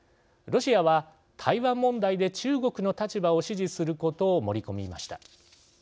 ロシアは台湾問題で中国の立場を支持することを盛り込みました。